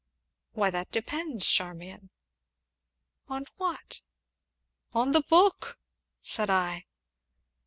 "Why, that depends, Charmian." "On what?" "On the book!" said I.